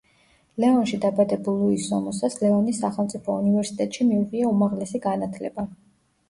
ლეონში დაბადებულ ლუის სომოსას ლეონის სახელმწიფო უნივერსიტეტში მიუღია უმაღლესი განათლება.